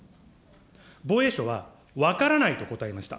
防衛省は分からないと答えました。